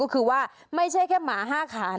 ก็คือว่าไม่ใช่แค่หมา๕ขา